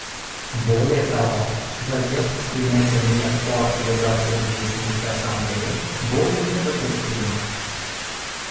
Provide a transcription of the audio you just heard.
Более того, задержки с принятием мер по активизации деятельности Ассамблеи более недопустимы.